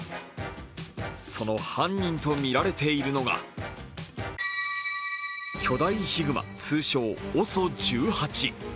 その犯人とみられているのが巨大ヒグマ、通称・ＯＳＯ１８。